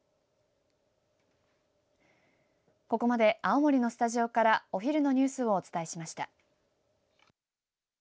ここまで青森のスタジオからお昼のニュースをお伝えしました。